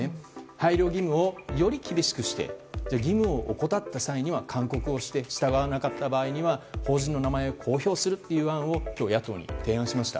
配慮義務を、より厳しくして義務を怠った際には勧告をして従わなかった場合には法人の名前を公表するという案を今日、野党に提案しました。